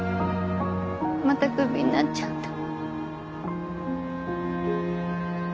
またクビになっちゃった。